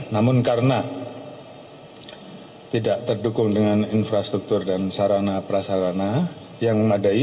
namun karena tidak terdukung dengan infrastruktur dan sarana prasarana yang memadai